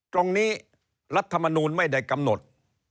ตรงนี้รัฐธรรมนูนไม่ได้กำหนด